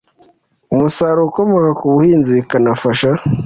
umusaruro ukomoka ku buhinzi bikanafasha